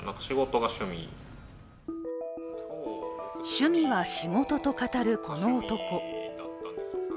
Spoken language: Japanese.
趣味は仕事と語る、この男。